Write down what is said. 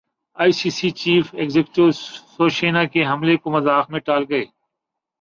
ائی C C chief executive Shivsena کے حملے کو مذاق میں ٹال گئے